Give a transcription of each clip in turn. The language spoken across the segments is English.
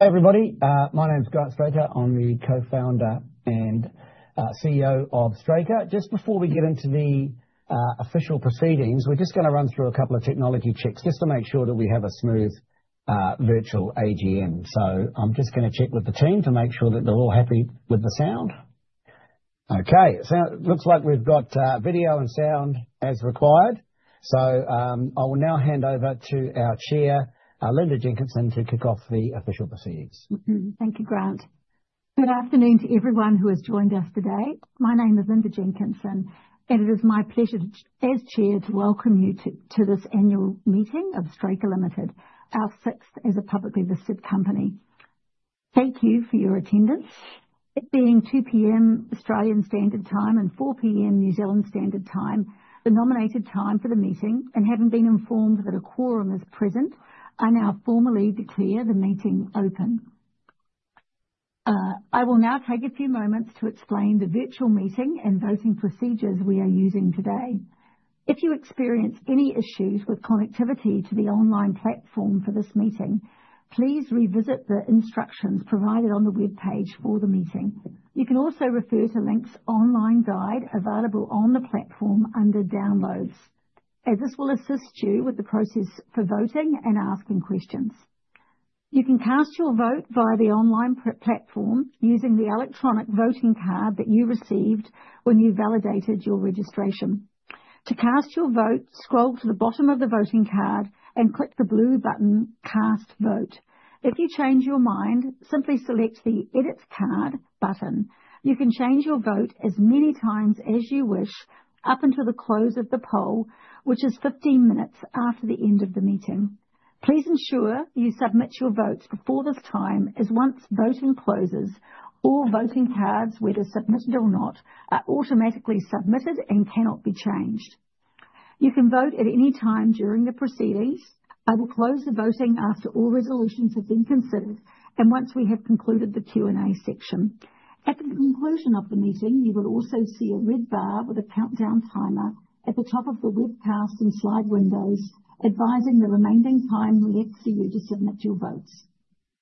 Hey everybody, my name's Grant Straker. I'm the Co-founder and CEO of Straker. Just before we get into the official proceedings, we're just going to run through a couple of technology checks just to make sure that we have a smooth virtual AGM, so I'm just going to check with the team to make sure that they're all happy with the sound. Okay, it looks like we've got video and sound as required, so I will now hand over to our chair, Linda Jenkinson, to kick off the official proceedings. Thank you, Grant. Good afternoon to everyone who has joined us today. My name is Linda Jenkinson, and it is my pleasure as chair to welcome you to this annual meeting of Straker Limited, our sixth as a publicly listed company. Thank you for your attendance. It being 2:00 P.M. Australian Standard Time and 4:00 P.M. New Zealand Standard Time, the nominated time for the meeting, and having been informed that a quorum is present, I now formally declare the meeting open. I will now take a few moments to explain the virtual meeting and voting procedures we are using today. If you experience any issues with connectivity to the online platform for this meeting, please revisit the instructions provided on the web page for the meeting. You can also refer to Link's online guide available on the platform under Downloads, as this will assist you with the process for voting and asking questions. You can cast your vote via the online platform using the electronic voting card that you received when you validated your registration. To cast your vote, scroll to the bottom of the voting card and click the blue button Cast Vote. If you change your mind, simply select the Edit Card button. You can change your vote as many times as you wish up until the close of the poll, which is 15 minutes after the end of the meeting. Please ensure you submit your votes before this time, as once voting closes, all voting cards, whether submitted or not, are automatically submitted and cannot be changed. You can vote at any time during the proceedings. I will close the voting after all resolutions have been considered and once we have concluded the Q&A section. At the conclusion of the meeting, you will also see a red bar with a countdown timer at the top of the webcast and slide windows advising the remaining time left for you to submit your votes.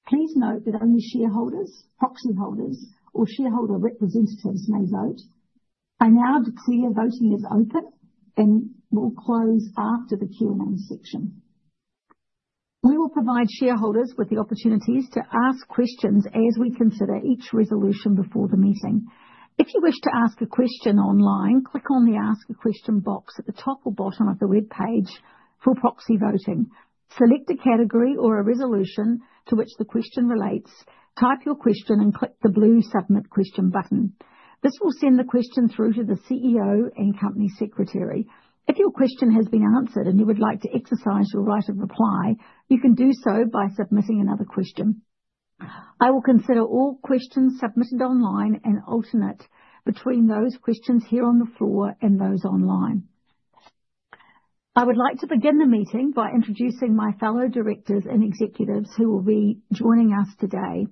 Please note that only shareholders, proxy holders, or shareholder representatives may vote. I now declare voting is open and will close after the Q&A section. We will provide shareholders with the opportunities to ask questions as we consider each resolution before the meeting. If you wish to ask a question online, click on the Ask a Question box at the top or bottom of the web page for proxy voting. Select a category or a resolution to which the question relates, type your question, and click the blue Submit Question button. This will send the question through to the CEO and company secretary. If your question has been answered and you would like to exercise your right of reply, you can do so by submitting another question. I will consider all questions submitted online and alternate between those questions here on the floor and those online. I would like to begin the meeting by introducing my fellow directors and executives who will be joining us today.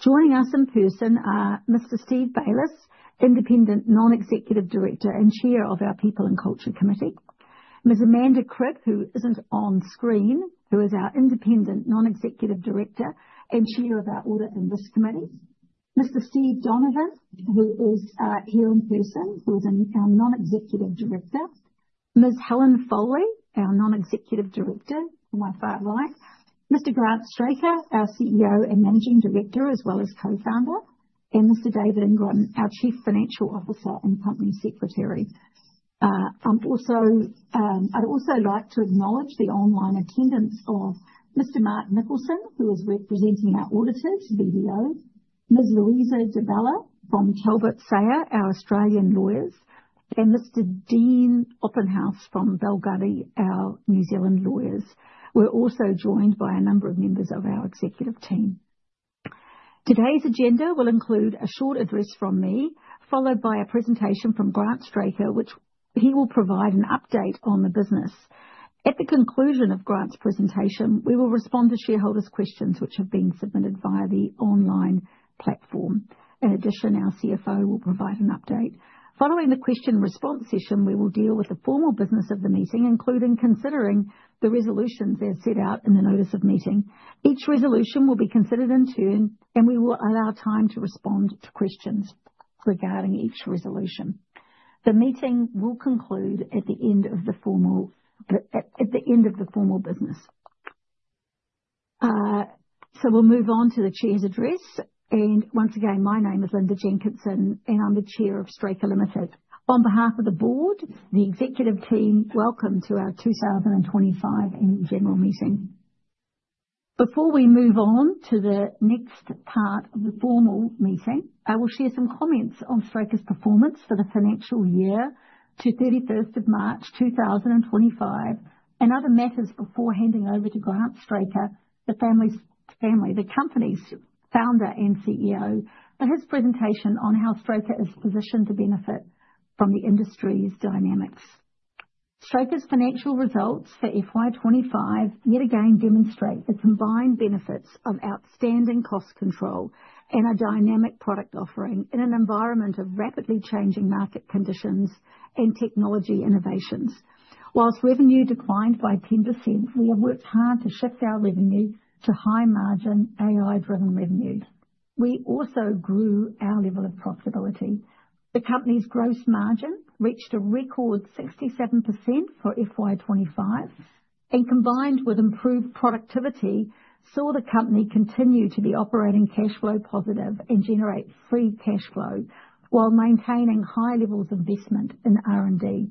Joining us in person are Mr. Steve Bayliss, Independent Non-Executive Director and Chair of our People and Culture Committee. Ms. Amanda Cribb, who isn't on screen, who is our Independent Non-Executive Director and Chair of our Audit and Risk Committee. Mr. Steve Donovan, who is here in person, who is our Non-Executive Director. Ms. Helen Foley, our Non-Executive Director, who is far right. Mr. Grant Straker, our CEO and Managing Director as well as co-founder, and Mr. David Ingram, our Chief Financial Officer and Company Secretary. I'd also like to acknowledge the online attendance of Mr. Mark Nicholson, who is representing our auditors, BDO, Ms. Louisa Di Bella from Talbot Sayer, our Australian lawyers, and Mr. Dean Oppenhuis from Bell Gully, our New Zealand lawyers. We're also joined by a number of members of our executive team. Today's agenda will include a short address from me, followed by a presentation from Grant Straker, which he will provide an update on the business. At the conclusion of Grant's presentation, we will respond to shareholders' questions, which have been submitted via the online platform. In addition, our CFO will provide an update. Following the question and response session, we will deal with the formal business of the meeting, including considering the resolutions as set out in the Notice of Meeting. Each resolution will be considered in turn, and we will allow time to respond to questions regarding each resolution. The meeting will conclude at the end of the formal business, so we'll move on to the chair's address, and once again, my name is Linda Jenkinson, and I'm the chair of Straker Limited. On behalf of the board, the executive team, welcome to our 2025 annual general meeting. Before we move on to the next part of the formal meeting, I will share some comments on Straker's performance for the financial year to 31st of March 2025 and other matters before handing over to Grant Straker, the company's founder and CEO, for his presentation on how Straker is positioned to benefit from the industry's dynamics. Straker's financial results for FY25 yet again demonstrate the combined benefits of outstanding cost control and a dynamic product offering in an environment of rapidly changing market conditions and technology innovations. While revenue declined by 10%, we have worked hard to shift our revenue to high margin AI-driven revenue. We also grew our level of profitability. The company's gross margin reached a record 67% for FY25, and combined with improved productivity, saw the company continue to be operating cash flow positive and generate free cash flow while maintaining high levels of investment in R&D.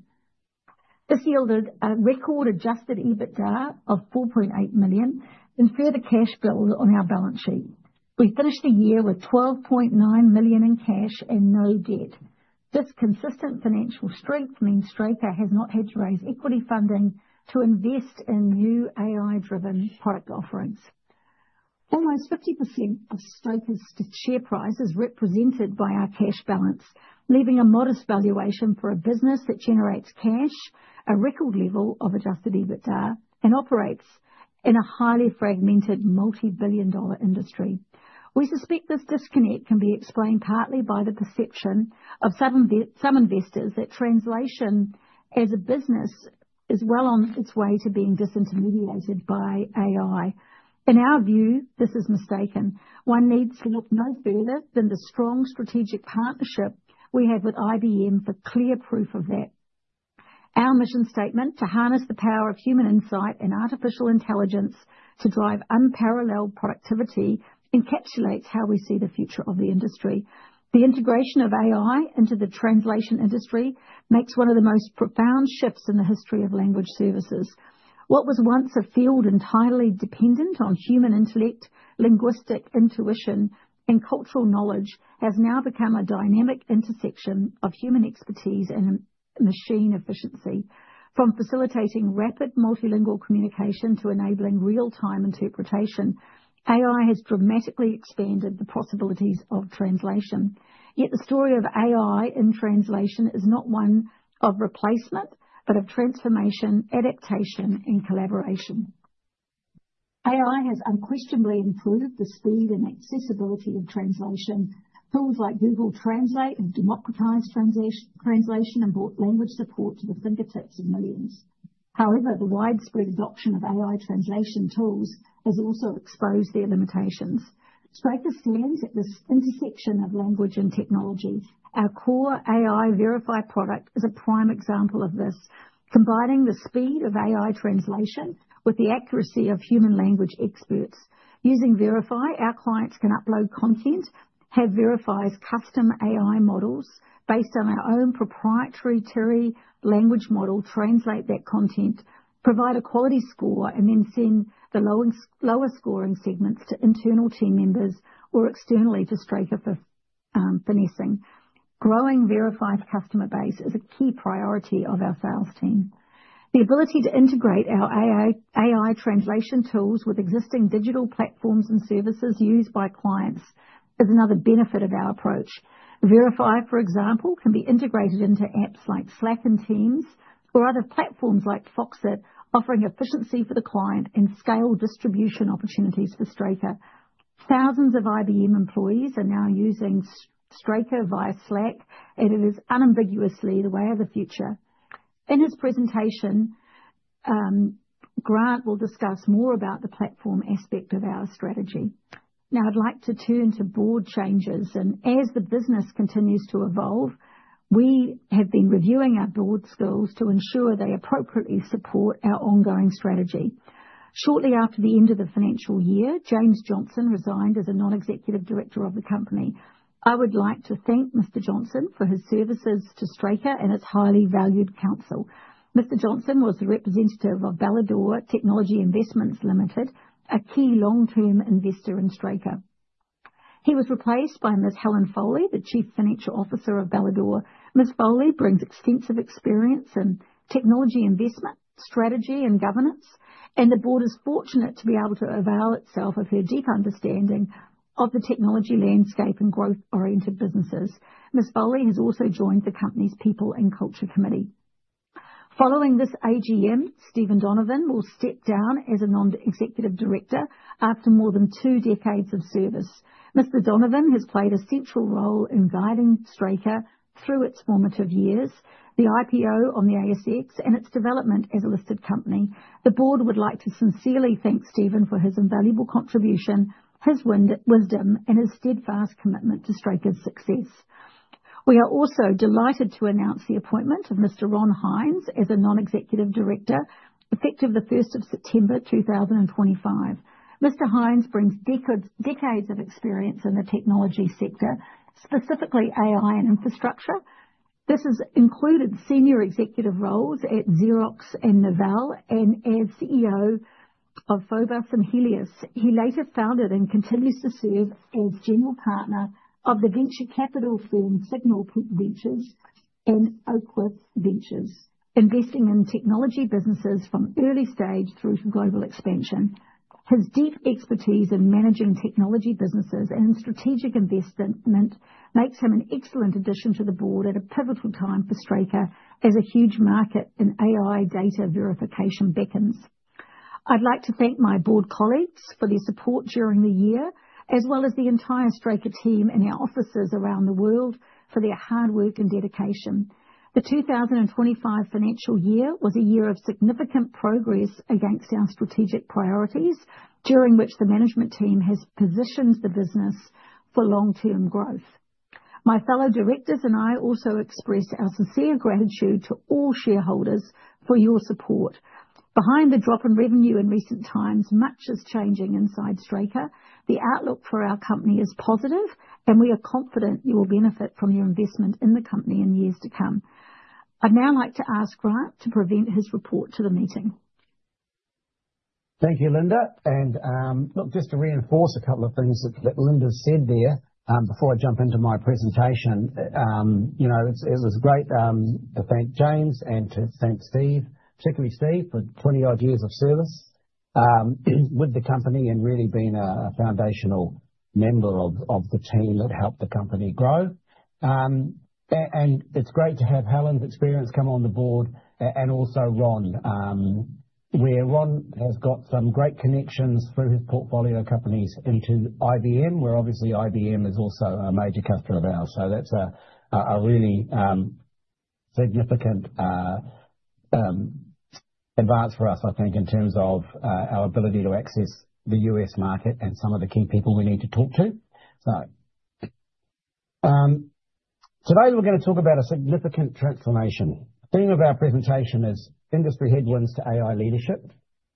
This yielded a record adjusted EBITDA of $4.8 million and further cash build on our balance sheet. We finished the year with $12.9 million in cash and no debt. This consistent financial strength means Straker has not had to raise equity funding to invest in new AI-driven product offerings. Almost 50% of Straker's share price is represented by our cash balance, leaving a modest valuation for a business that generates cash, a record level of adjusted EBITDA, and operates in a highly fragmented multi-billion dollar industry. We suspect this disconnect can be explained partly by the perception of some investors that translation as a business is well on its way to being disintermediated by AI. In our view, this is mistaken. One needs to look no further than the strong strategic partnership we have with IBM for clear proof of that. Our mission statement to harness the power of human insight and artificial intelligence to drive unparalleled productivity encapsulates how we see the future of the industry. The integration of AI into the translation industry makes one of the most profound shifts in the history of language services. What was once a field entirely dependent on human intellect, linguistic intuition, and cultural knowledge has now become a dynamic intersection of human expertise and machine efficiency. From facilitating rapid multilingual communication to enabling real-time interpretation, AI has dramatically expanded the possibilities of translation. Yet the story of AI in translation is not one of replacement, but of transformation, adaptation, and collaboration. AI has unquestionably improved the speed and accessibility of translation. Tools like Google Translate have democratized translation and brought language support to the fingertips of millions. However, the widespread adoption of AI translation tools has also exposed their limitations. Straker stands at this intersection of language and technology. Our core AI Verify product is a prime example of this, combining the speed of AI translation with the accuracy of human language experts. Using Verify, our clients can upload content, have Verify's custom AI models based on our own proprietary Tiuri language model translate that content, provide a quality score, and then send the lower scoring segments to internal team members or externally to Straker for finessing. Growing Verify's customer base is a key priority of our sales team. The ability to integrate our AI translation tools with existing digital platforms and services used by clients is another benefit of our approach. Verify, for example, can be integrated into apps like Slack and Teams or other platforms like Foxit, offering efficiency for the client and scale distribution opportunities for Straker. Thousands of IBM employees are now using Straker via Slack, and it is unambiguously the way of the future. In his presentation, Grant will discuss more about the platform aspect of our strategy. Now, I'd like to turn to board changes, and as the business continues to evolve, we have been reviewing our board skills to ensure they appropriately support our ongoing strategy. Shortly after the end of the financial year, James Johnson resigned as a non-executive director of the company. I would like to thank Mr. Johnson for his services to Straker and its highly valued counsel. Mr. Johnson was the representative of Bailador Technology Investments Limited, a key long-term investor in Straker. He was replaced by Ms. Helen Foley, the Chief Financial Officer of Bailador. Ms. Foley brings extensive experience in technology investment, strategy, and governance, and the board is fortunate to be able to avail itself of her deep understanding of the technology landscape and growth-oriented businesses. Ms. Foley has also joined the company's People and Culture Committee. Following this AGM, Steven Donovan will step down as a non-executive director after more than two decades of service. Mr. Donovan has played a central role in guiding Straker through its formative years, the IPO on the ASX, and its development as a listed company. The board would like to sincerely thank Steven for his invaluable contribution, his wisdom, and his steadfast commitment to Straker's success. We are also delighted to announce the appointment of Mr. Ron Hynes as a non-executive director effective the 1st of September 2025. Mr. Hynes brings decades of experience in the technology sector, specifically AI and infrastructure. This has included senior executive roles at Xerox and Novell and as CEO of Phobos and Helius. He later founded and continues to serve as general partner of the venture capital firm Signal Peak Ventures, Oakhouse Ventures and investing in technology businesses from early stage through to global expansion. His deep expertise in managing technology businesses and in strategic investment makes him an excellent addition to the board at a pivotal time for Straker as a huge market in AI data verification beckons. I'd like to thank my board colleagues for their support during the year, as well as the entire Straker team and our offices around the world for their hard work and dedication. The 2025 financial year was a year of significant progress against our strategic priorities, during which the management team has positioned the business for long-term growth. My fellow directors and I also express our sincere gratitude to all shareholders for your support. Behind the drop in revenue in recent times, much is changing inside Straker. The outlook for our company is positive, and we are confident you will benefit from your investment in the company in years to come. I'd now like to ask Grant to present his report to the meeting. Thank you, Linda. And look, just to reinforce a couple of things that Linda said there before I jump into my presentation, you know it was great to thank James and to thank Steve, particularly Steve, for 20 odd years of service with the company and really being a foundational member of the team that helped the company grow. And it's great to have Helen's experience come on the board and also Ron, where Ron has got some great connections through his portfolio companies into IBM, where obviously IBM is also a major customer of ours. So that's a really significant advance for us, I think, in terms of our ability to access the U.S. market and some of the key people we need to talk to. So today we're going to talk about a significant transformation. The theme of our presentation is Industry Headwinds to AI Leadership.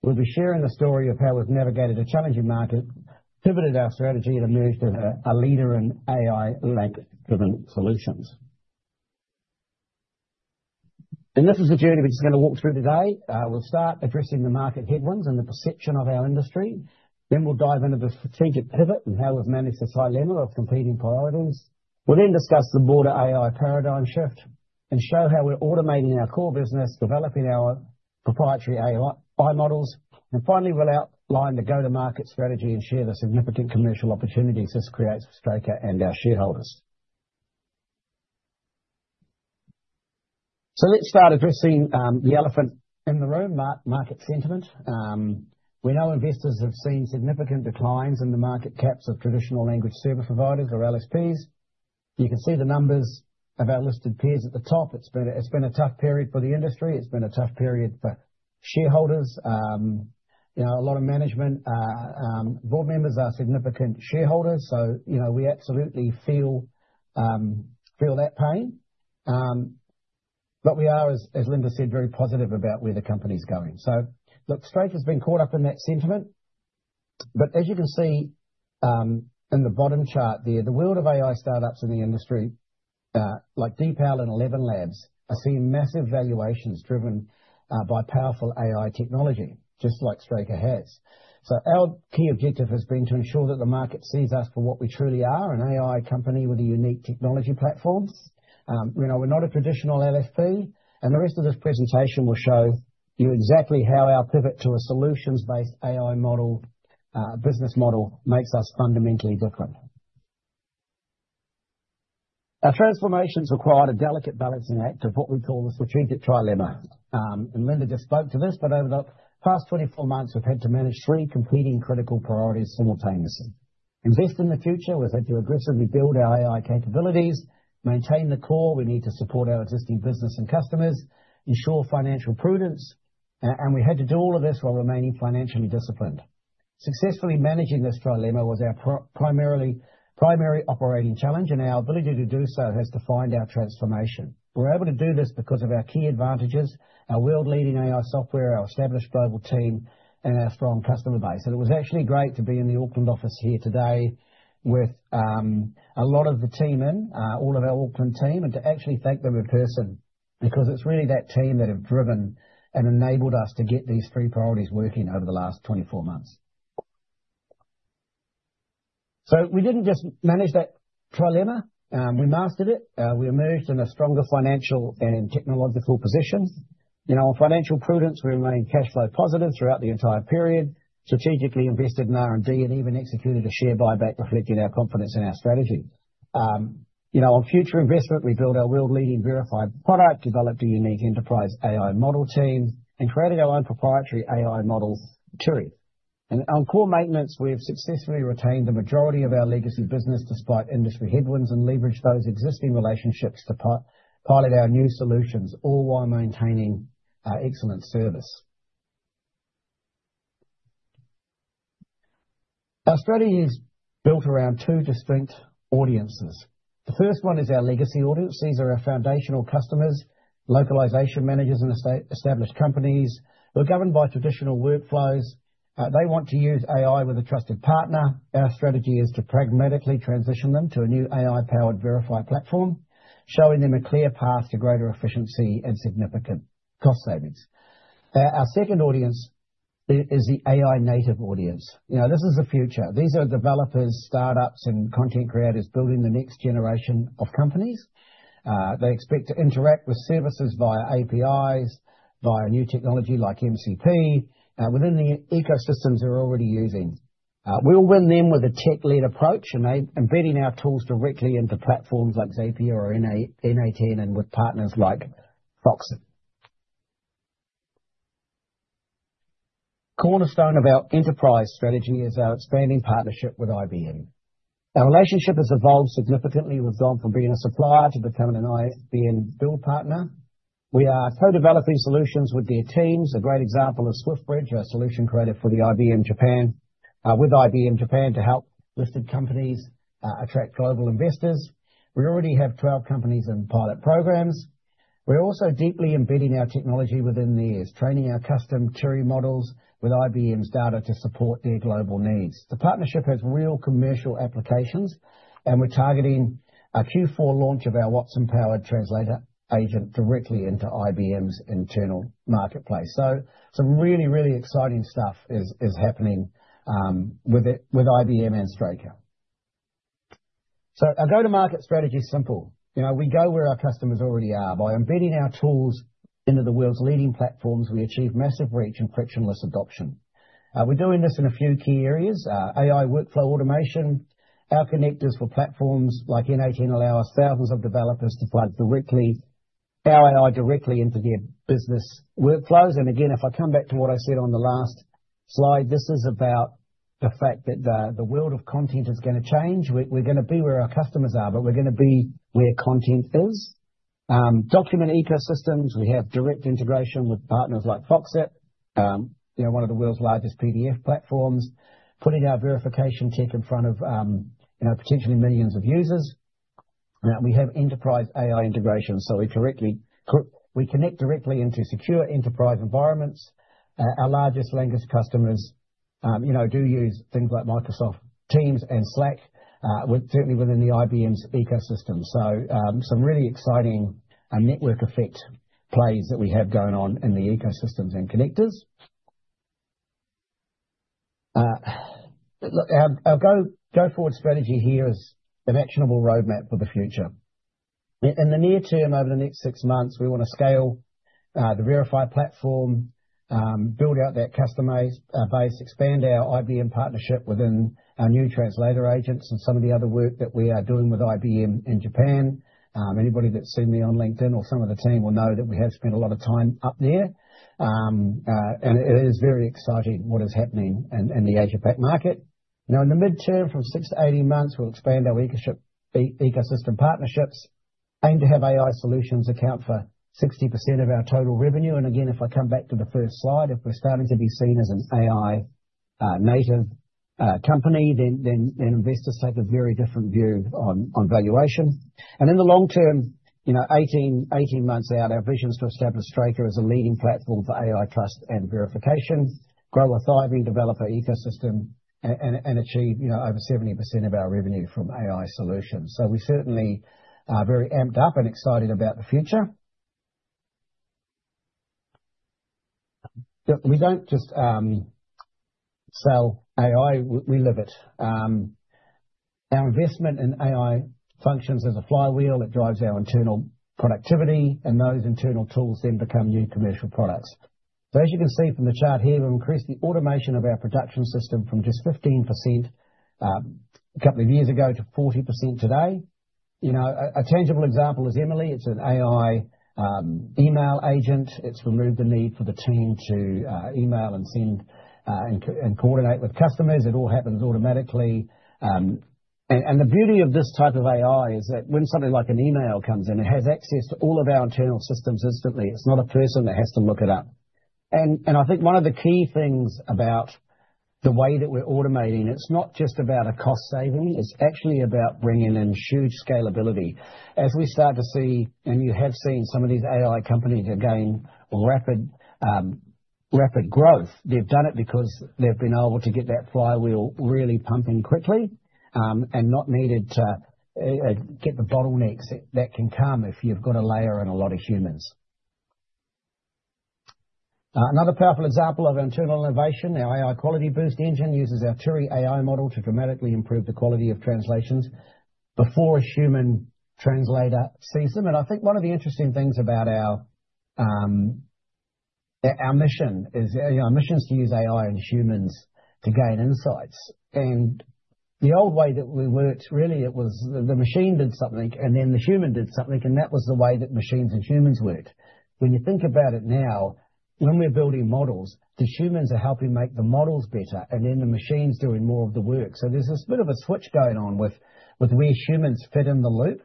We'll be sharing the story of how we've navigated a challenging market, pivoted our strategy, and emerged as a leader in AI-led solutions. This is the journey we're just going to walk through today. We'll start addressing the market headwinds and the perception of our industry. We'll dive into the strategic pivot and how we've managed to silo them from competing priorities. We'll then discuss the broader AI paradigm shift and show how we're automating our core business, developing our proprietary AI models. Finally, we'll outline the go-to-market strategy and share the significant commercial opportunities this creates for Straker and our shareholders. Let's start addressing the elephant in the room, market sentiment. We know investors have seen significant declines in the market caps of traditional language service providers, or LSPs. You can see the numbers of our listed peers at the top. It's been a tough period for the industry. It's been a tough period for shareholders. You know, a lot of management board members are significant shareholders. So you know we absolutely feel that pain. But we are, as Linda said, very positive about where the company's going. So look, Straker's been caught up in that sentiment. But as you can see in the bottom chart there, the world of AI startups in the industry, like DeepL and ElevenLabs, are seeing massive valuations driven by powerful AI technology, just like Straker has. So our key objective has been to ensure that the market sees us for what we truly are, an AI company with unique technology platforms. You know, we're not a traditional LSP. And the rest of this presentation will show you exactly how our pivot to a solutions-based AI business model makes us fundamentally different. Our transformation has required a delicate balancing act of what we call the strategic trilemma. And Linda just spoke to this, but over the past 24 months, we've had to manage three competing critical priorities simultaneously. Invest in the future was that to aggressively build our AI capabilities, maintain the core we need to support our existing business and customers, ensure financial prudence, and we had to do all of this while remaining financially disciplined. Successfully managing this trilemma was our primary operating challenge, and our ability to do so has defined our transformation. We're able to do this because of our key advantages, our world-leading AI software, our established global team, and our strong customer base. And it was actually great to be in the Auckland office here today with a lot of the team in, all of our Auckland team, and to actually thank them in person because it's really that team that have driven and enabled us to get these three priorities working over the last 24 months. So we didn't just manage that trilemma. We mastered it. We emerged in a stronger financial and technological position. You know, on financial prudence, we remained cash flow positive throughout the entire period, strategically invested in R&D, and even executed a share buyback reflecting our confidence in our strategy. You know, on future investment, we built our world-leading Verify product, developed a unique enterprise AI model team, and created our own proprietary AI model, Turri. On core maintenance, we have successfully retained the majority of our legacy business despite industry headwinds and leveraged those existing relationships to pilot our new solutions, all while maintaining excellent service. Our strategy is built around two distinct audiences. The first one is our legacy audience. These are our foundational customers, localization managers in established companies. We're governed by traditional workflows. They want to use AI with a trusted partner. Our strategy is to pragmatically transition them to a new AI-powered Verify platform, showing them a clear path to greater efficiency and significant cost savings. Our second audience is the AI native audience. You know, this is the future. These are developers, startups, and content creators building the next generation of companies. They expect to interact with services via APIs, via new technology like MCP, within the ecosystems they're already using. We will win them with a tech-led approach and embedding our tools directly into platforms like Zapier or n8n and with partners like Foxit. Cornerstone of our enterprise strategy is our expanding partnership with IBM. Our relationship has evolved significantly. We've gone from being a supplier to becoming an IBM build partner. We are co-developing solutions with their teams. A great example is SwiftBridge, a solution created for the IBM Japan, with IBM Japan to help listed companies attract global investors. We already have 12 companies in pilot programs. We're also deeply embedding our technology within the years, training our custom Turri models with IBM's data to support their global needs. The partnership has real commercial applications, and we're targeting a Q4 launch of our Watson-powered translator agent directly into IBM's internal marketplace. Some really, really exciting stuff is happening with IBM and Straker. Our go-to-market strategy is simple. You know, we go where our customers already are. By embedding our tools into the world's leading platforms, we achieve massive reach and frictionless adoption. We're doing this in a few key areas: AI workflow automation. Our connectors for platforms like n8n allow us thousands of developers to plug our AI directly into their business workflows. And again, if I come back to what I said on the last slide, this is about the fact that the world of content is going to change. We're going to be where our customers are, but we're going to be where content is. Document ecosystems. We have direct integration with partners like Foxit, you know, one of the world's largest PDF platforms, putting our verification tech in front of, you know, potentially millions of users. Now, we have enterprise AI integration. So we connect directly into secure enterprise environments. Our largest language customers, you know, do use things like Microsoft Teams and Slack, certainly within IBM's ecosystem. So some really exciting network effect plays that we have going on in the ecosystems and connectors. Look, our go-forward strategy here is an actionable roadmap for the future. In the near term, over the next six months, we want to scale the Verify platform, build out that customer base, expand our IBM partnership within our new translator agents and some of the other work that we are doing with IBM in Japan. Anybody that's seen me on LinkedIn or some of the team will know that we have spent a lot of time up there. And it is very exciting what is happening in the Asia-Pac market. Now, in the midterm, from six to 18 months, we'll expand our ecosystem partnerships, aim to have AI solutions account for 60% of our total revenue. And again, if I come back to the first slide, if we're starting to be seen as an AI native company, then investors take a very different view on valuation. And in the long term, you know, 18 months out, our vision is to establish Straker as a leading platform for AI trust and verification, grow a thriving developer ecosystem, and achieve, you know, over 70% of our revenue from AI solutions. So we certainly are very amped up and excited about the future. We don't just sell AI. We live it. Our investment in AI functions as a flywheel. It drives our internal productivity, and those internal tools then become new commercial products. So as you can see from the chart here, we've increased the automation of our production system from just 15% a couple of years ago to 40% today. You know, a tangible example is Emily. It's an AI email agent. It's removed the need for the team to email and send and coordinate with customers. It all happens automatically. And the beauty of this type of AI is that when something like an email comes in, it has access to all of our internal systems instantly. It's not a person that has to look it up. And I think one of the key things about the way that we're automating, it's not just about a cost saving. It's actually about bringing in huge scalability. As we start to see, and you have seen some of these AI companies have gained rapid growth. They've done it because they've been able to get that flywheel really pumping quickly and not needed to get the bottlenecks that can come if you've got a layer and a lot of humans. Another powerful example of internal innovation, our AI Quality Boost engine uses our Turri AI model to dramatically improve the quality of translations before a human translator sees them, and I think one of the interesting things about our mission is our mission is to use AI and humans to gain insights, and the old way that we worked, really, it was the machine did something and then the human did something, and that was the way that machines and humans worked. When you think about it now, when we're building models, the humans are helping make the models better and then the machines doing more of the work. So there's this bit of a switch going on with where humans fit in the loop.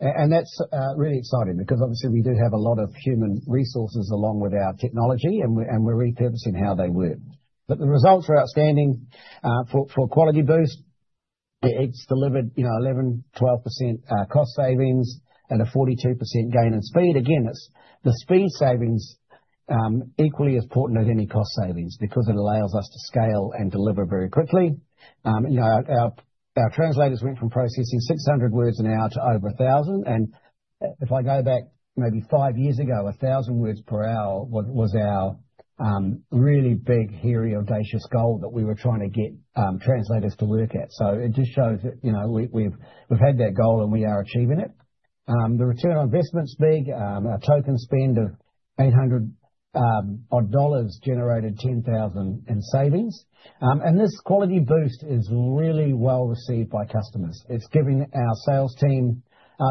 And that's really exciting because obviously we do have a lot of human resources along with our technology and we're repurposing how they work. But the results are outstanding for Quality Boost. It's delivered, you know, 11%-12% cost savings and a 42% gain in speed. Again, it's the speed savings equally as important as any cost savings because it allows us to scale and deliver very quickly. You know, our translators went from processing 600 words an hour to over 1,000. And if I go back maybe five years ago, 1,000 words per hour was our really big, hairy, audacious goal that we were trying to get translators to work at. So it just shows that, you know, we've had that goal and we are achieving it. The return on investment's big. Our token spend of $800 generated $10,000 in savings. And this Quality Boost is really well received by customers. It's giving our sales team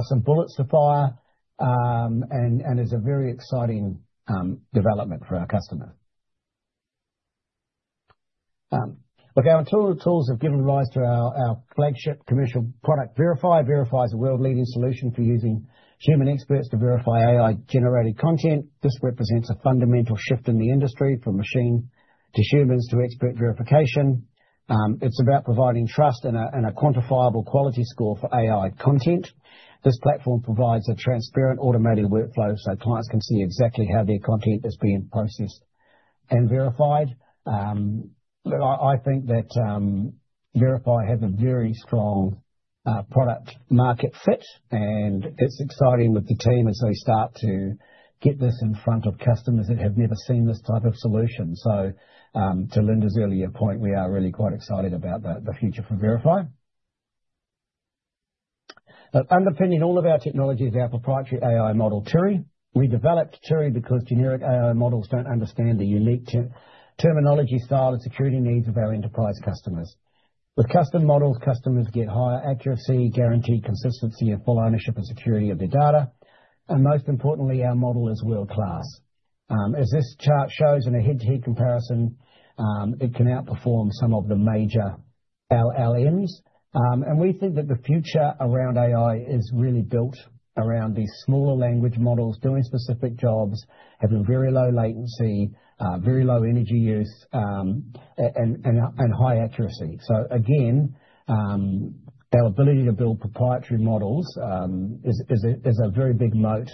some bullets to fire and is a very exciting development for our customers. Look, our tools have given rise to our flagship commercial product, Verify. Verify is a world-leading solution for using human experts to verify AI-generated content. This represents a fundamental shift in the industry from machine to humans to expert verification. It's about providing trust and a quantifiable quality score for AI content. This platform provides a transparent automated workflow so clients can see exactly how their content is being processed and verified. But I think that Verify has a very strong product market fit and it's exciting with the team as they start to get this in front of customers that have never seen this type of solution. So to Linda's earlier point, we are really quite excited about the future for Verify. Underpinning all of our technology is our proprietary AI model, Turri. We developed Turri because generic AI models don't understand the unique terminology style and security needs of our enterprise customers. With custom models, customers get higher accuracy, guaranteed consistency and full ownership and security of their data. And most importantly, our model is world-class. As this chart shows in a head-to-head comparison, it can outperform some of the major LLMs. And we think that the future around AI is really built around these smaller language models doing specific jobs, having very low latency, very low energy use, and high accuracy. So again, our ability to build proprietary models is a very big moat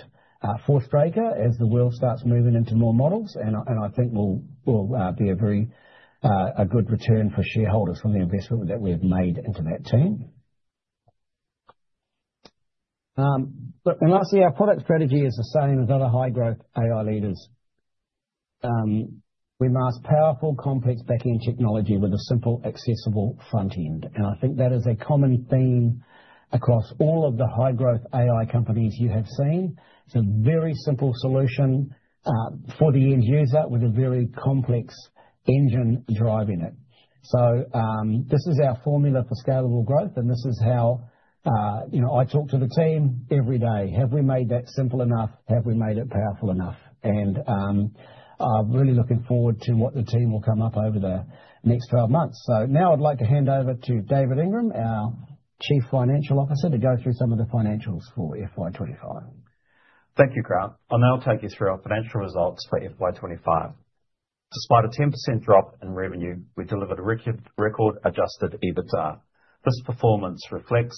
for Straker as the world starts moving into more models. And I think will be a very good return for shareholders from the investment that we have made into that team. And lastly, our product strategy is the same as other high-growth AI leaders. We mask powerful, complex back-end technology with a simple, accessible front-end. And I think that is a common theme across all of the high-growth AI companies you have seen. It's a very simple solution for the end user with a very complex engine driving it. So this is our formula for scalable growth. And this is how, you know, I talk to the team every day. Have we made that simple enough? Have we made it powerful enough? And I'm really looking forward to what the team will come up over the next 12 months. So now I'd like to hand over to David Ingram, our Chief Financial Officer, to go through some of the financials for FY25. Thank you, Grant. I'll now take you through our financial results for FY25. Despite a 10% drop in revenue, we delivered a record-adjusted EBITDA. This performance reflects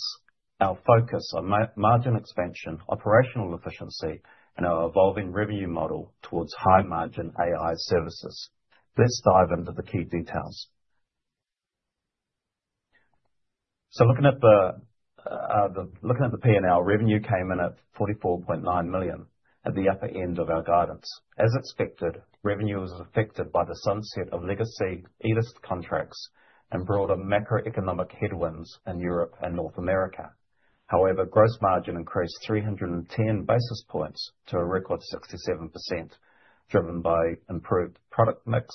our focus on margin expansion, operational efficiency, and our evolving revenue model towards high-margin AI services. Let's dive into the key details. So looking at the P&L, revenue came in at 44.9 million at the upper end of our guidance. As expected, revenue was affected by the sunset of legacy IDEST contracts and broader macroeconomic headwinds in Europe and North America. However, gross margin increased 310 basis points to a record 67%, driven by improved product mix,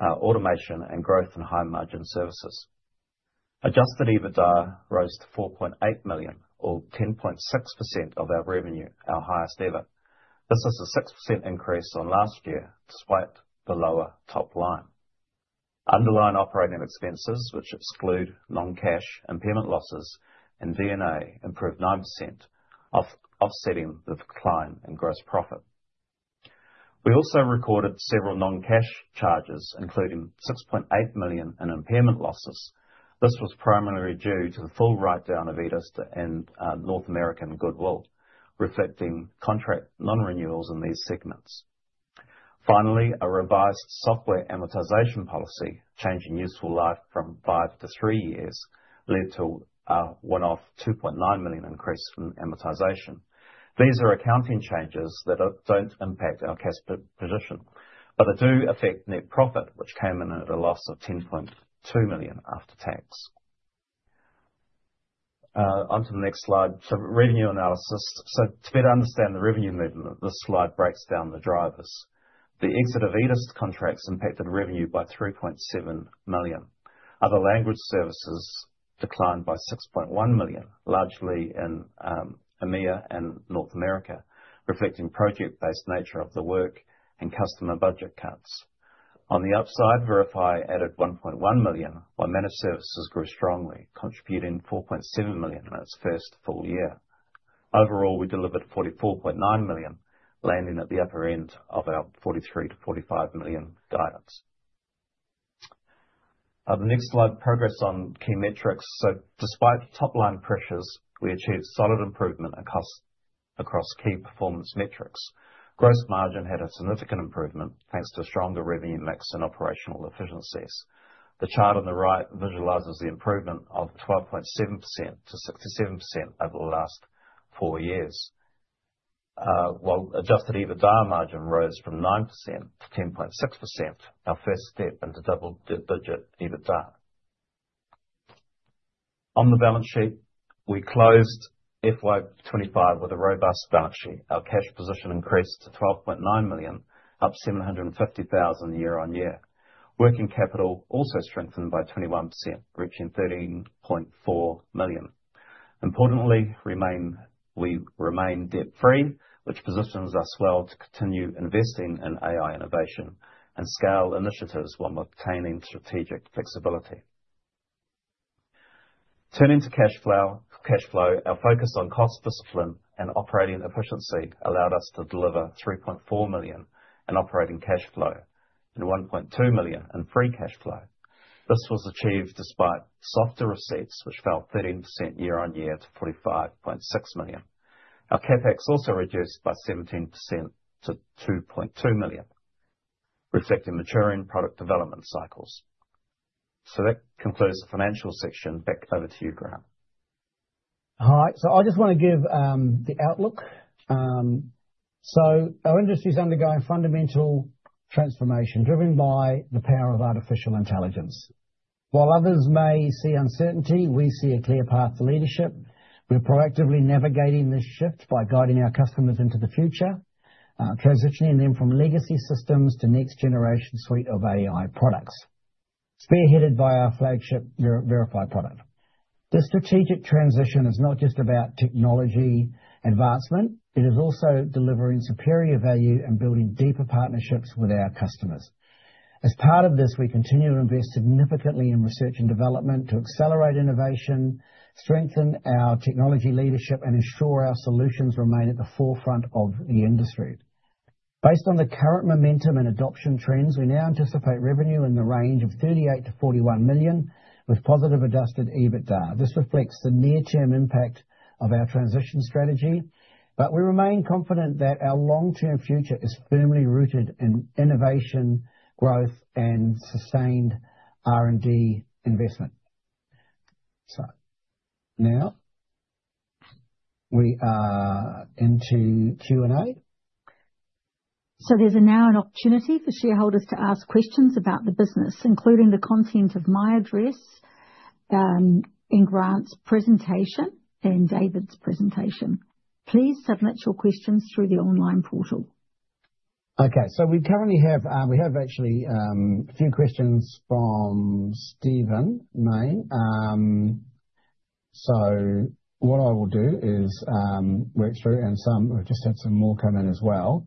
automation, and growth in high-margin services. Adjusted EBITDA rose to 4.8 million, or 10.6% of our revenue, our highest ever. This is a 6% increase on last year despite the lower top line. Underlying operating expenses, which exclude non-cash impairment losses and D&A, improved 9%, offsetting the decline in gross profit. We also recorded several non-cash charges, including 6.8 million in impairment losses. This was primarily due to the full write-down of IDEST and North American Goodwill, reflecting contract non-renewals in these segments. Finally, a revised software amortization policy, changing useful life from five to three years, led to a one-off 2.9 million increase in amortization. These are accounting changes that don't impact our cash position, but they do affect net profit, which came in at a loss of 10.2 million after tax. Onto the next slide. So revenue analysis. So to better understand the revenue movement, this slide breaks down the drivers. The exit of IDEST contracts impacted revenue by 3.7 million. Other language services declined by 6.1 million, largely in EMEA and North America, reflecting project-based nature of the work and customer budget cuts. On the upside, Verify added 1.1 million while managed services grew strongly, contributing 4.7 million in its first full year. Overall, we delivered 44.9 million, landing at the upper end of our 43-45 million guidance. The next slide, progress on key metrics. So despite top-line pressures, we achieved solid improvement across key performance metrics. Gross margin had a significant improvement thanks to stronger revenue mix and operational efficiencies. The chart on the right visualizes the improvement of 12.7%-67% over the last four years. While adjusted EBITDA margin rose from 9%-10.6%, our first step into double-digit EBITDA. On the balance sheet, we closed FY 2025 with a robust balance sheet. Our cash position increased to 12.9 million, up 750,000 year-on-year. Working capital also strengthened by 21%, reaching 13.4 million. Importantly, we remain debt-free, which positions us well to continue investing in AI innovation and scale initiatives while maintaining strategic flexibility. Turning to cash flow, our focus on cost discipline and operating efficiency allowed us to deliver 3.4 million in operating cash flow and 1.2 million in free cash flow. This was achieved despite softer receipts, which fell 13% year-over-year to 45.6 million. Our CapEx also reduced by 17% to 2.2 million, reflecting maturing product development cycles. So that concludes the financial section. Back over to you, Grant. All right. So I just want to give the outlook. So our industry is undergoing fundamental transformation driven by the power of artificial intelligence. While others may see uncertainty, we see a clear path to leadership. We're proactively navigating this shift by guiding our customers into the future, transitioning them from legacy systems to next-generation suite of AI products, spearheaded by our flagship Verify product. This strategic transition is not just about technology advancement. It is also delivering superior value and building deeper partnerships with our customers. As part of this, we continue to invest significantly in research and development to accelerate innovation, strengthen our technology leadership, and ensure our solutions remain at the forefront of the industry. Based on the current momentum and adoption trends, we now anticipate revenue in the range of 38-41 million with positive adjusted EBITDA. This reflects the near-term impact of our transition strategy, but we remain confident that our long-term future is firmly rooted in innovation, growth, and sustained R&D investment. So now we are into Q&A. There's now an opportunity for shareholders to ask questions about the business, including the content of my address in Grant's presentation and David's presentation. Please submit your questions through the online portal. Okay. So we currently have actually a few questions from Steven May. So what I will do is work through, and some we've just had some more come in as well.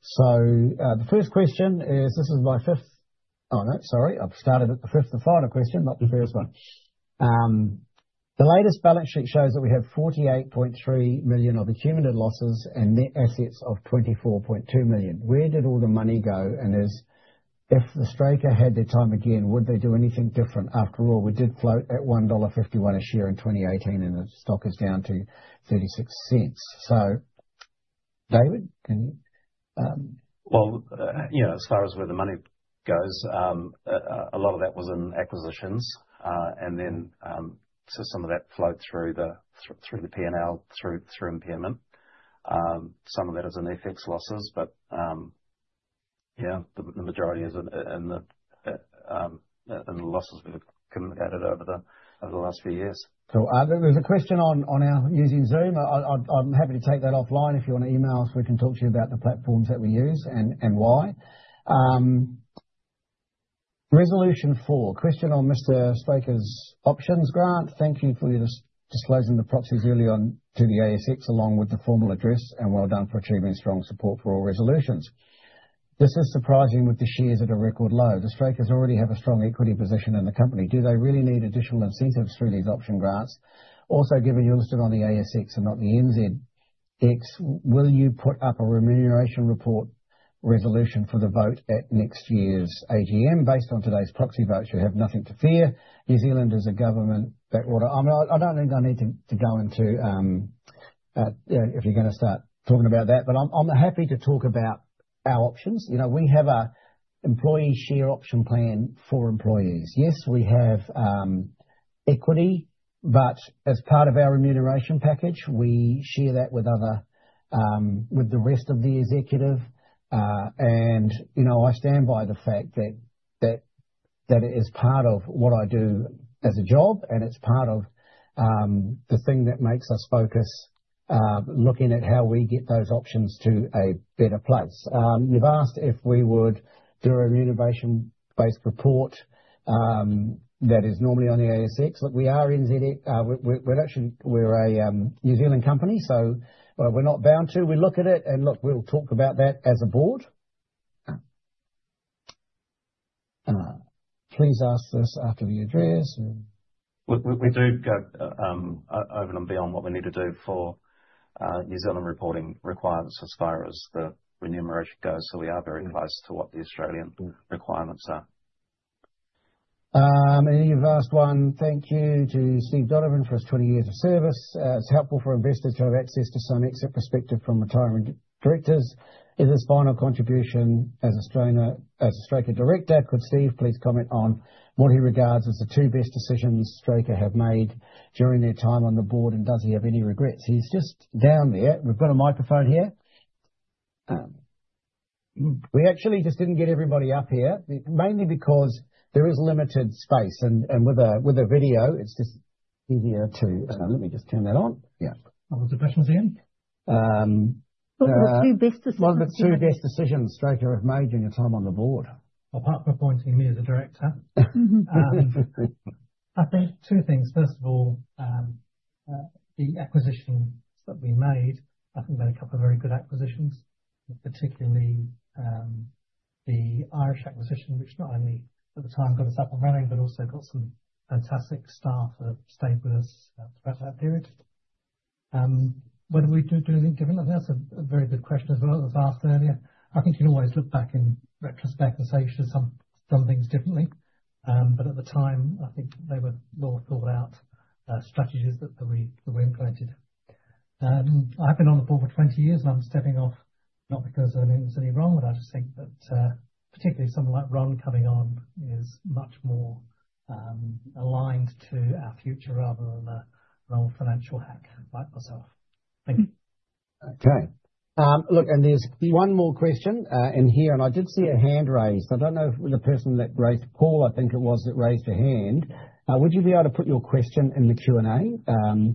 So the first question is, this is my fifth. Oh, no, sorry. I've started at the fifth, the final question, not the first one. The latest balance sheet shows that we have 48.3 million of accumulated losses and net assets of 24.2 million. Where did all the money go? And if the Straker had their time again, would they do anything different? After all, we did float at 1.51 dollar a share in 2018, and the stock is down to 0.36. So, David, can you? Well, you know, as far as where the money goes, a lot of that was in acquisitions. And then some of that flowed through the P&L, through impairment. Some of that is in FX losses, but yeah, the majority is in the losses we've accumulated over the last few years. So there's a question on our using Zoom. I'm happy to take that offline if you want to email us. We can talk to you about the platforms that we use and why. Resolution four, question on Mr. Straker's options grant. Thank you for disclosing the proxies early on to the ASX, along with the formal address, and well done for achieving strong support for all resolutions. This is surprising with the shares at a record low. The Straker already have a strong equity position in the company. Do they really need additional incentives through these option grants? Also, given you're listed on the ASX and not the NZX, will you put up a remuneration report resolution for the vote at next year's AGM? Based on today's proxy votes, you have nothing to fear. New Zealand is a government backwater. I don't think I need to go into if you're going to start talking about that, but I'm happy to talk about our options. You know, we have an employee share option plan for employees. Yes, we have equity, but as part of our remuneration package, we share that with the rest of the executive. And you know, I stand by the fact that it is part of what I do as a job, and it's part of the thing that makes us focus looking at how we get those options to a better place. You've asked if we would do a remuneration-based report that is normally on the ASX. Look, we are NZX. We're actually, we're a New Zealand company, so we're not bound to. We look at it and look, we'll talk about that as a board. Please ask this after the address. We do go over and beyond what we need to do for New Zealand reporting requirements as far as the remuneration goes. So we are very close to what the Australian requirements are, and you've asked one. Thank you to Steve Donovan for his 20 years of service. It's helpful for investors to have access to some exit perspective from retirement directors. Is his final contribution as a Straker director? Could Steve please comment on what he regards as the two best decisions Straker have made during their time on the board, and does he have any regrets? He's just down there. We've got a microphone here. We actually just didn't get everybody up here, mainly because there is limited space. And with a video, it's just easier to let me just turn that on. Yeah. What was the question at the end? What were the two best decisions? What were the two best decisions Straker have made during your time on the board? Apart from appointing me as a director, I think two things. First of all, the acquisitions that we made, I think they're a couple of very good acquisitions, particularly the Irish acquisition, which not only at the time got us up and running, but also got some fantastic staff that stayed with us throughout that period. Whether we do anything different? I think that's a very good question as well. It was asked earlier. I think you can always look back in retrospect and say you should have done things differently. But at the time, I think they were well thought-out strategies that we implemented. I've been on the board for 20 years, and I'm stepping off not because I think there's anything wrong, but I just think that particularly someone like Ron coming on is much more aligned to our future rather than an old financial hack like myself. Thank you. Okay. Look, and there's one more question in here, and I did see a hand raised. I don't know if the person that raised, Paul, I think it was, that raised a hand. Would you be able to put your question in the Q&A?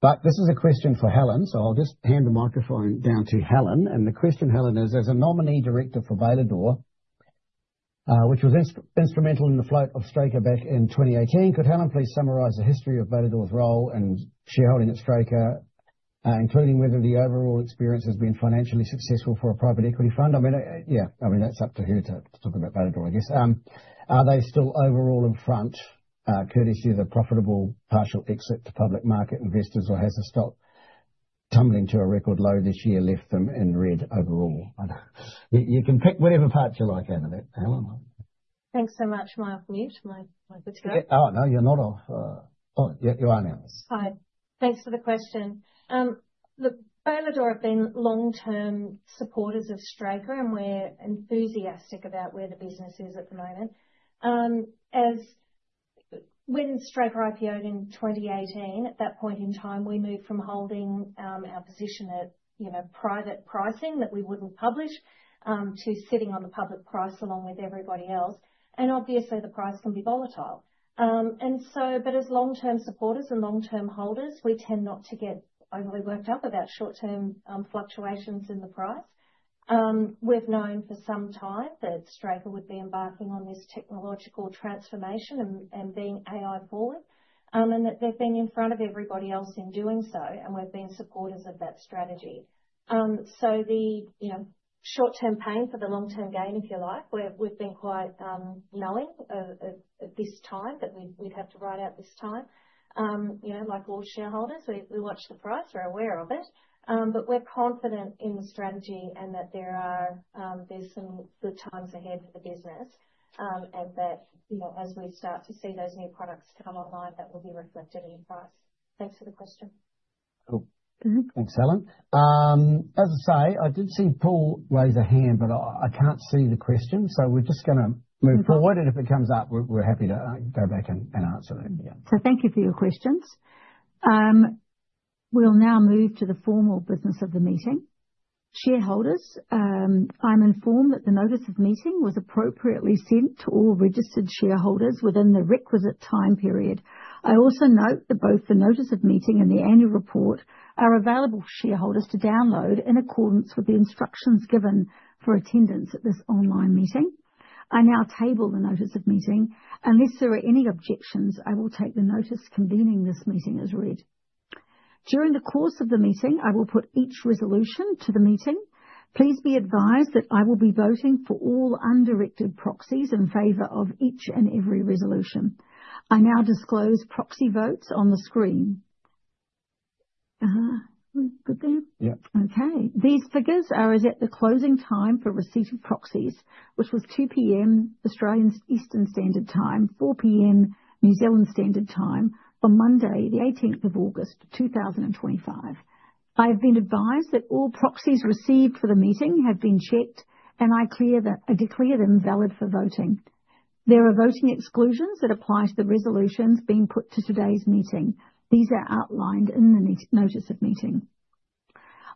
But this is a question for Helen, so I'll just hand the microphone down to Helen. The question, Helen, is, as a nominee director for Bailador I mean, yeah, I mean, that's up to her to talk about Bailador guess. Are they still overall in front, courtesy of the profitable partial exit to public market investors, or has the stock tumbling to a record low this year left them in red overall? You can pick whatever parts you like, Helen. Thanks so much. Am I off mute? Am I good to go? Oh, no, you're not off. Oh, you are now. Hi. Thanks for the question. Look, Bailador have been long-term supporters of Straker, and we're enthusiastic about where the business is at the moment. When Straker IPO'd in 2018, at that point in time, we moved from holding our position at private pricing that we wouldn't publish to sitting on the public price along with everybody else. And obviously, the price can be volatile. And so, but as long-term supporters and long-term holders, we tend not to get overly worked up about short-term fluctuations in the price. We've known for some time that Straker would be embarking on this technological transformation and being AI-forward, and that they've been in front of everybody else in doing so, and we've been supporters of that strategy. So the short-term pain for the long-term gain, if you like, we've been quite knowing at this time that we'd have to ride out this time. Like all shareholders, we watch the price. We're aware of it. But we're confident in the strategy and that there are some good times ahead for the business and that as we start to see those new products come online, that will be reflected in the price. Thanks for the question. Thanks, Helen. As I say, I did see Paul raise a hand, but I can't see the question. So we're just going to move forward, and if it comes up, we're happy to go back and answer that. Yeah. So thank you for your questions. We'll now move to the formal business of the meeting. Shareholders, I'm informed that the Notice of Meeting was appropriately sent to all registered shareholders within the requisite time period. I also note that both the Notice of Meeting and the annual report are available for shareholders to download in accordance with the instructions given for attendance at this online meeting. I now table the Notice of Meeting. Unless there are any objections, I will take the notice convening this meeting as read. During the course of the meeting, I will put each resolution to the meeting. Please be advised that I will be voting for all undirected proxies in favor of each and every resolution. I now disclose proxy votes on the screen. Good there? Yeah. Okay. These figures are as at the closing time for receipt of proxies, which was 2:00 P.M. Australian Eastern Standard Time, 4:00 P.M. New Zealand Standard Time on Monday, the 18th of August, 2025. I have been advised that all proxies received for the meeting have been checked, and I declare them valid for voting. There are voting exclusions that apply to the resolutions being put to today's meeting. These are outlined in the Notice of Meeting.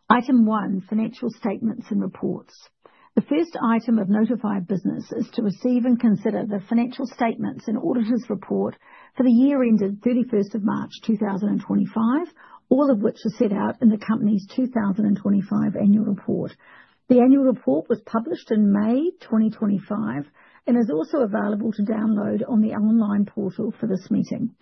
Item one, financial statements and reports. The first item of notified business is to receive and consider the financial statements and auditor's report for the year ended 31st of March, 2025, all of which are set out in the company's 2025 annual report. The annual report was published in May 2025 and is also available to download on the online portal for this meeting.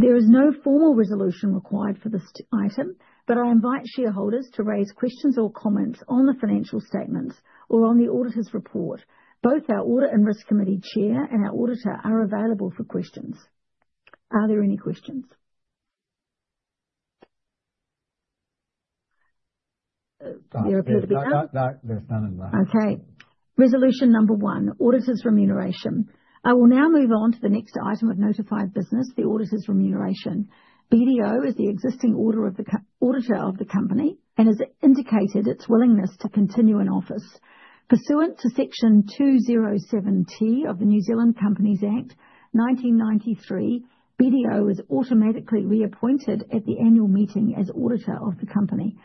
There is no formal resolution required for this item, but I invite shareholders to raise questions or comments on the financial statements or on the auditor's report. Both our audit and risk committee chair and our auditor are available for questions. Are there any questions? There appear to be none. No, there's none in the last. Okay. Resolution number one, auditor's remuneration. I will now move on to the next item of notified business, the auditor's remuneration. BDO is the existing auditor of the company and has indicated its willingness to continue in office. Pursuant to Section 207(t) of the New Zealand Companies Act, 1993, BDO is automatically reappointed at the annual meeting as auditor of the company.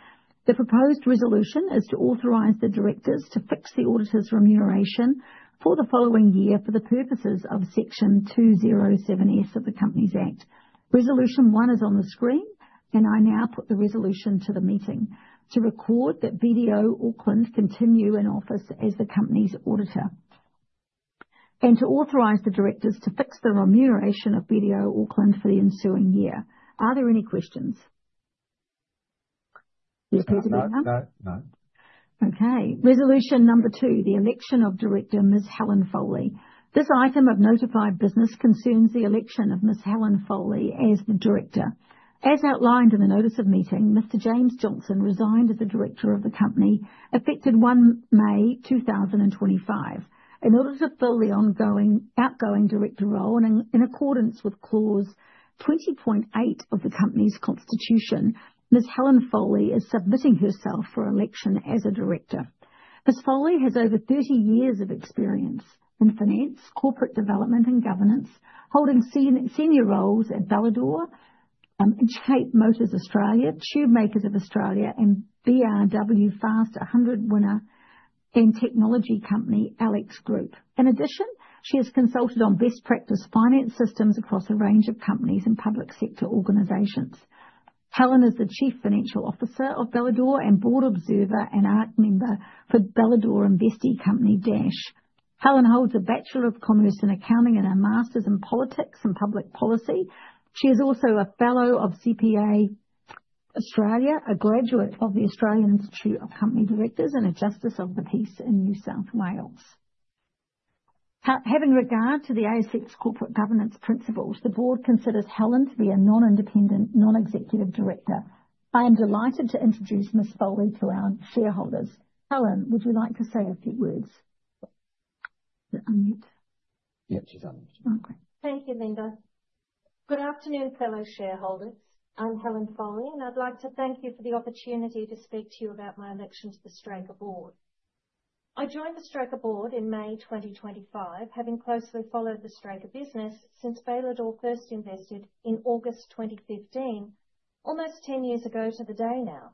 The proposed resolution is to authorize the directors to fix the auditor's remuneration for the following year for the purposes of Section 207(s) of the Companies Act. Resolution one is on the screen, and I now put the resolution to the meeting to record that BDO Auckland continue in office as the company's auditor and to authorize the directors to fix the remuneration of BDO Auckland for the ensuing year. Are there any questions? Yes, Mr. Bayliss? No, no. Okay. Resolution number two, the election of director Ms. Helen Foley. This item of notified business concerns the election of Ms. Helen Foley as the director. As outlined in the Notice of Meeting, Mr. James Johnson resigned as the director of the company effective 1 May 2025. In order to fill the outgoing director role and in accordance with clause 20.8 of the company's constitution, Ms. Helen Foley is submitting herself for election as a director. Ms. Foley has over 30 years of experience in finance, corporate development, and governance, holding senior roles at Bailador, Inchcape Motors Australia, Tubemakers of Australia, and BRW Fast 100 winner, and technology company LX Group. In addition, she has consulted on best practice finance systems across a range of companies and public sector organizations. Helen is the Chief Financial Officer of Bailador and board observer and audit member for Bailador investee company dash. Helen holds a Bachelor of Commerce in Accounting and a Master's in Politics and Public Policy. She is also a Fellow of CPA Australia, a graduate of the Australian Institute of Company Directors, and a Justice of the Peace in New South Wales. Having regard to the ASX Corporate Governance Principles, the board considers Helen to be a non-independent, non-executive director. I am delighted to introduce Ms. Foley to our shareholders. Helen, would you like to say a few words? Yeah, she's on. Thank you, Linda. Good afternoon, fellow shareholders. I'm Helen Foley, and I'd like to thank you for the opportunity to speak to you about my election to the Straker board. I joined the Straker board in May 2025, having closely followed the Straker business since Bailador first invested in August 2015, almost 10 years ago to the day now,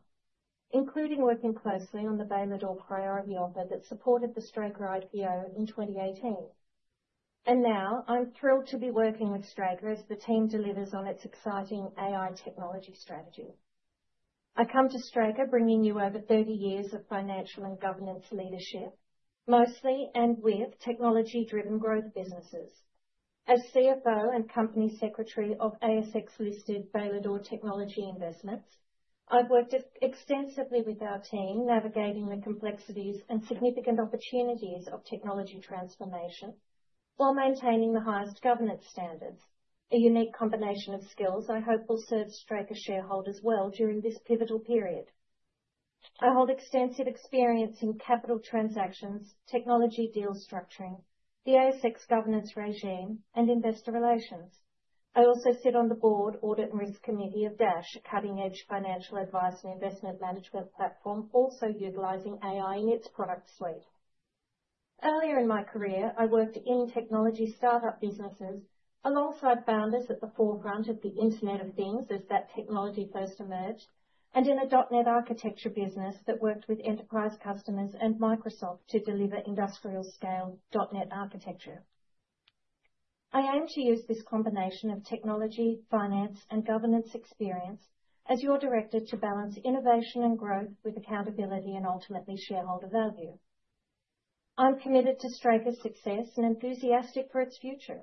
including working the priority offer that supported the Straker IPO in 2018. And now I'm thrilled to be working with Straker as the team delivers on its exciting AI technology strategy. I come to Straker bringing you over 30 years of financial and governance leadership, mostly and with technology-driven growth businesses. As CFO and company secretary of A SX-listed Bailador Technology Investments, I've worked extensively with our team, navigating the complexities and significant opportunities of technology transformation while maintaining the highest governance standards, a unique combination of skills I hope will serve Straker shareholders well during this pivotal period. I hold extensive experience in capital transactions, technology deal structuring, the ASX governance regime, and investor relations. I also sit on the board audit and risk committee of Dash, a cutting-edge financial advice and investment management platform, also utilizing AI in its product suite. Earlier in my career, I worked in technology startup businesses alongside founders at the forefront of the Internet of Things as that technology first emerged, and in a .NET architecture business that worked with enterprise customers and Microsoft to deliver industrial-scale .NET architecture. I aim to use this combination of technology, finance, and governance experience as your director to balance innovation and growth with accountability and ultimately shareholder value. I'm committed to Straker's success and enthusiastic for its future.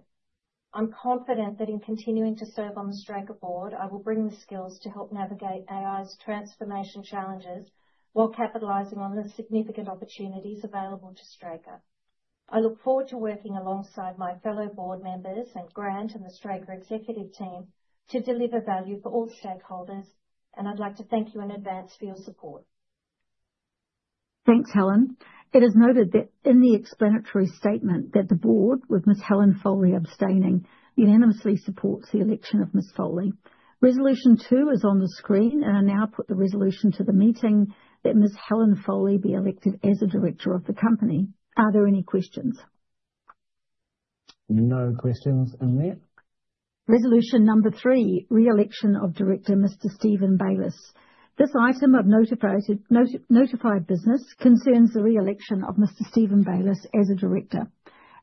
I'm confident that in continuing to serve on the Straker board, I will bring the skills to help navigate AI's transformation challenges while capitalizing on the significant opportunities available to Straker. I look forward to working alongside my fellow board members and Grant and the Straker executive team to deliver value for all stakeholders, and I'd like to thank you in advance for your support. Thanks, Helen. It is noted that in the Explanatory Statement that the board, with Ms. Helen Foley abstaining, unanimously supports the election of Ms. Foley. Resolution two is on the screen, and I now put the resolution to the meeting that Ms. Helen Foley be elected as a director of the company. Are there any questions? No questions in there. Resolution number three, re-election of director Mr. Stephen Bayliss. This item of notified business concerns the re-election of Mr. Stephen Bayliss as a director.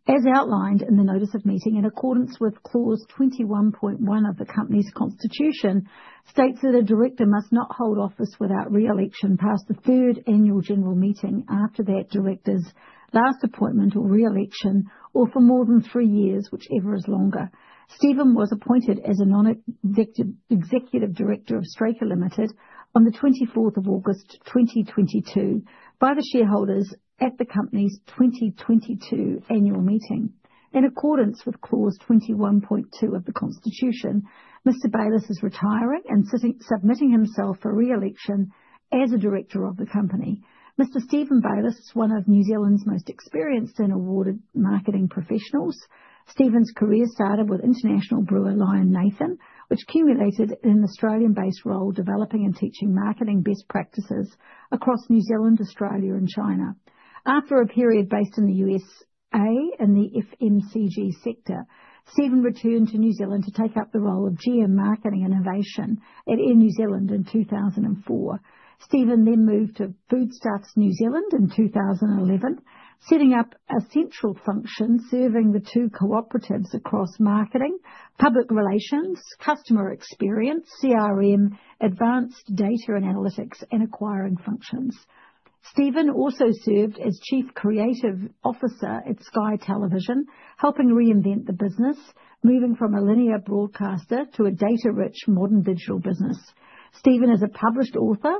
As outlined in the Notice of Meeting, in accordance with clause 21.1 of the company's constitution, states that a director must not hold office without re-election past the third annual general meeting after that director's last appointment or re-election or for more than three years, whichever is longer. Stephen was appointed as a non-executive director of Straker Limited on the 24th of August, 2022, by the shareholders at the company's 2022 annual meeting. In accordance with clause 21.2 of the constitution, Mr. Bayliss is retiring and submitting himself for re-election as a director of the company. Mr. Stephen Bayliss is one of New Zealand's most experienced and awarded marketing professionals. Stephen's career started with international brewer Lion Nathan, which culminated in an Australian-based role developing and teaching marketing best practices across New Zealand, Australia, and China. After a period based in the USA in the FMCG sector, Stephen returned to New Zealand to take up the role of GM Marketing Innovation at Air New Zealand in 2004. Stephen then moved to Foodstuffs New Zealand in 2011, setting up a central function serving the two cooperatives across marketing, public relations, customer experience, CRM, advanced data and analytics, and acquiring functions. Stephen also served as Chief Creative Officer at Sky Television, helping reinvent the business, moving from a linear broadcaster to a data-rich modern digital business. Stephen is a published author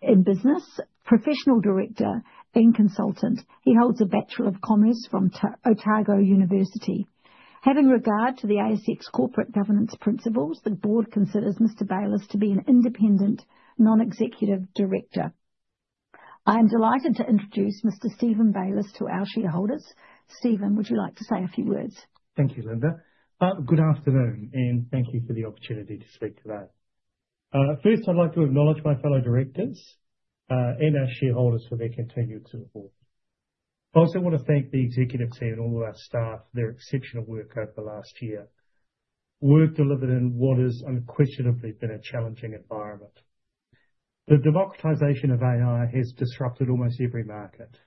in business, professional director, and consultant. He holds a Bachelor of Commerce from Otago University. Having regard to the ASX corporate governance principles, the board considers Mr. Bayliss to be an independent, non-executive director. I am delighted to introduce Mr. Stephen Bayliss to our shareholders. Stephen, would you like to say a few words? Thank you, Linda. Good afternoon, and thank you for the opportunity to speak today. First, I'd like to acknowledge my fellow directors and our shareholders for their continued support. I also want to thank the executive team and all of our staff for their exceptional work over the last year. Work delivered in what has unquestionably been a challenging environment. The democratization of AI has disrupted almost every market.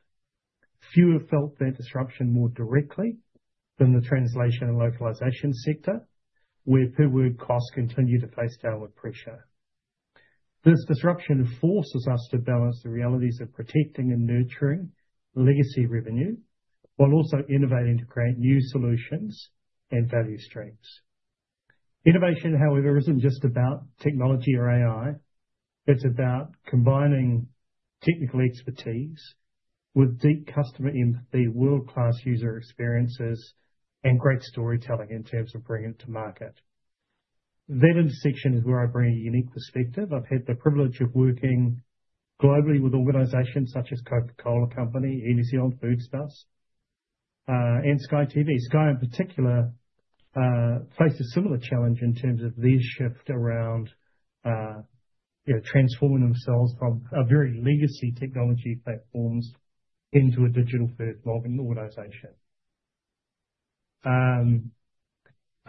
Few have felt that disruption more directly than the translation and localization sector, where per-word costs continue to face downward pressure. This disruption forces us to balance the realities of protecting and nurturing legacy revenue, while also innovating to create new solutions and value streams. Innovation, however, isn't just about technology or AI. It's about combining technical expertise with deep customer empathy, world-class user experiences, and great storytelling in terms of bringing it to market. That intersection is where I bring a unique perspective. I've had the privilege of working globally with organizations such as Coca-Cola Company, Air New Zealand, Foodstuffs, and Sky TV. Sky in particular faced a similar challenge in terms of their shift around transforming themselves from a very legacy technology platforms into a digital-first marketing organization.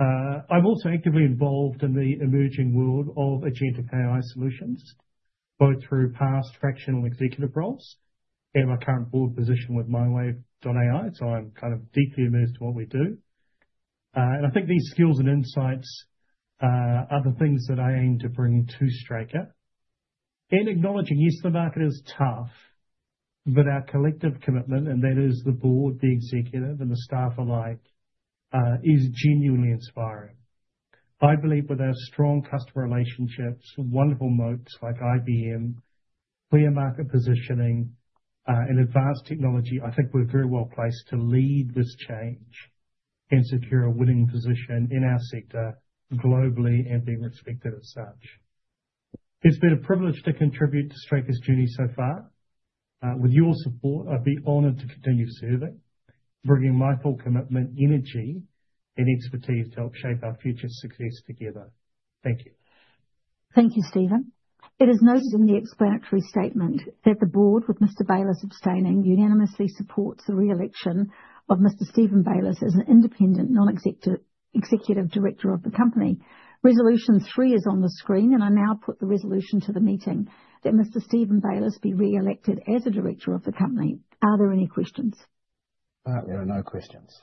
I'm also actively involved in the emerging world of agentic AI solutions, both through past fractional executive roles and my current board position with MyWave.ai. So I'm kind of deeply immersed in what we do. And I think these skills and insights are the things that I aim to bring to Straker. And acknowledging, yes, the market is tough, but our collective commitment, and that is the board, the executive, and the staff alike, is genuinely inspiring. I believe with our strong customer relationships, wonderful moats like IBM, clear market positioning, and advanced technology. I think we're very well placed to lead this change and secure a winning position in our sector globally and be respected as such. It's been a privilege to contribute to Straker's journey so far. With your support, I'd be honored to continue serving, bringing my full commitment, energy, and expertise to help shape our future success together. Thank you. Thank you, Stephen. It is noted in the Explanatory Statement that the board, with Mr. Bayliss abstaining, unanimously supports the re-election of Mr. Stephen Bayliss as an independent, non-executive director of the company. Resolution three is on the screen, and I now put the resolution to the meeting that Mr. Stephen Bayliss be re-elected as a director of the company. Are there any questions? There are no questions.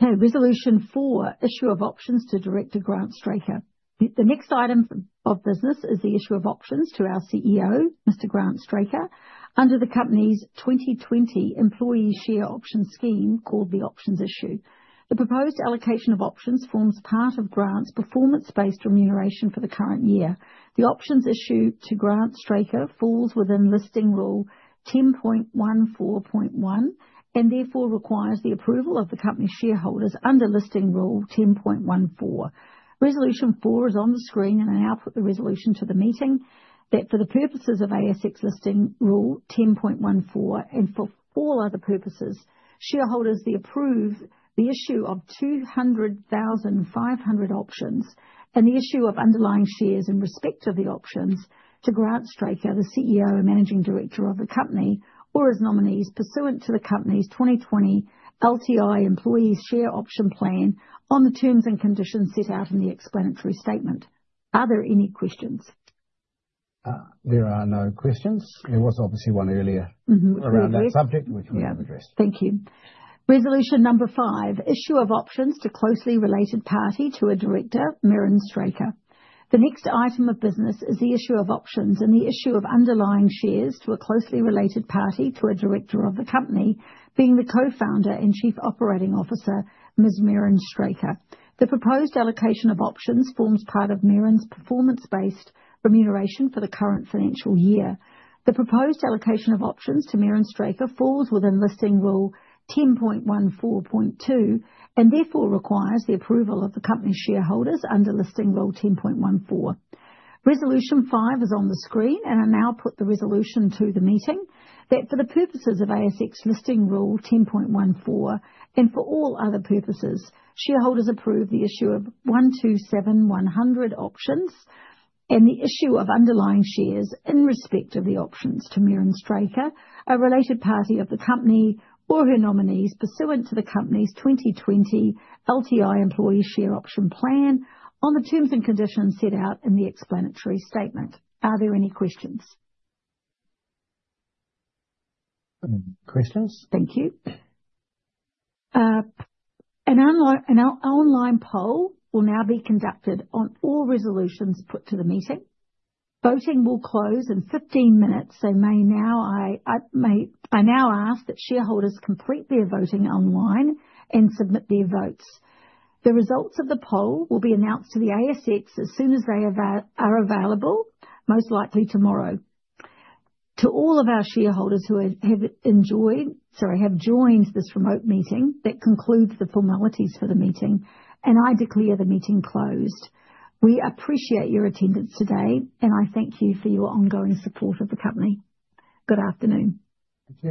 Okay. Resolution four, issue of options to Director Grant Straker. The next item of business is the issue of options to our CEO, Mr. Grant Straker, under the company's 2020 Employee Share Options Scheme called the Options Issue The proposed allocation of options forms part of Grant's performance-based remuneration for the current year. The Options Issue to Grant Straker falls within Listing Rule 10.14.1 and therefore requires the approval of the company's shareholders under Listing Rule 10.14. Resolution four is on the screen, and I now put the resolution to the meeting that for the purposes of ASX Listing Rule 10.14 and for all other purposes, shareholders be approved the issue of 200,500 options and the issue of underlying shares in respect of the options to Grant Straker, the CEO and Managing Director of the company, or as nominees pursuant to the company's 2020 LTI Employee Share Option Plan on the terms and conditions set out in the Explanatory Statement. Are there any questions? There are no questions. There was obviously one earlier around that subject, which we have addressed. Thank you. Resolution number five, issue of options to closely related party to a director, Merryn Straker. The next item of business is the issue of options and the issue of underlying shares to a closely related party to a director of the company, being the Co-founder and Chief Operating Officer, Ms. Merryn Straker. The proposed allocation of options forms part of Merryn's performance-based remuneration for the current financial year. The proposed allocation of options to Merryn Straker falls within Listing Rule 10.14.2 and therefore requires the approval of the company's shareholders under Listing Rule 10.14. Resolution five is on the screen, and I now put the resolution to the meeting that for the purposes of ASX Listing rule 10.14 and for all other purposes, shareholders approve the issue of 127,100 options and the issue of underlying shares in respect of the options to Merryn Straker, a related party of the company, or her nominees pursuant to the company's 2020 LTI Employee Share Option Plan on the terms and conditions set out in the Explanatory statement. Are there any questions? No questions. Thank you. An online poll will now be conducted on all resolutions put to the meeting. Voting will close in 15 minutes, so I now ask that shareholders complete their voting online and submit their votes. The results of the poll will be announced to the ASX as soon as they are available, most likely tomorrow. To all of our shareholders who have joined this remote meeting, that concludes the formalities for the meeting, and I declare the meeting closed. We appreciate your attendance today, and I thank you for your ongoing support of the company. Good afternoon. Thank you.